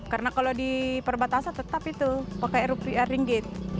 karena kalau di perbatasan tetap itu pakai rupiah ringgit